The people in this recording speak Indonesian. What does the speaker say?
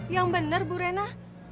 yang bener bu rena